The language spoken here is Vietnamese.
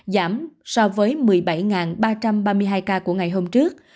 giảm so với một mươi bảy ba trăm ba mươi hai ca của ngày hôm trước